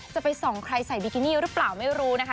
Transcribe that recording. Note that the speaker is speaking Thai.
จะไปส่องใครใส่บิกินี่หรือเปล่าไม่รู้นะคะ